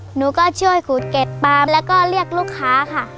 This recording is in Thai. หนูก็ช่วยขูดเก็ดปลามแล้วก็เรียกลูกค้าค่ะ